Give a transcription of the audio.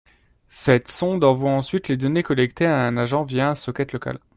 Cette sonde envoie ensuite les données collectées à un agent via un socket local